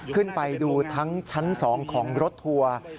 ขึ้นไปดูทั้งชั้น๒ของรถทัวร์